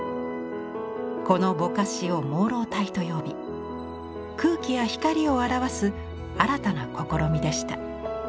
このぼかしを朦朧体と呼び空気や光を表す新たな試みでした。